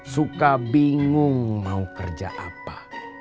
suka bingung mau kerja apa